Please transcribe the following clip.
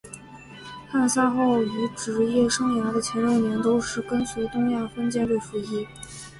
汉萨号于职业生涯的前六年都是跟随东亚分舰队服役。